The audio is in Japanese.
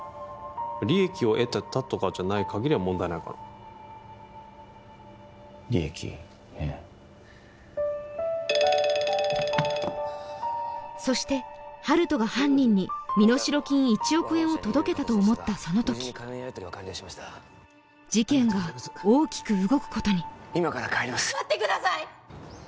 利益を得てたとかじゃないかぎりは問題ないかな利益ねそして温人が犯人に身代金１億円を届けたと思ったその時事件が大きく動くことに今から帰ります待ってください！